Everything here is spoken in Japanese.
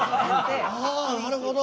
はあなるほど。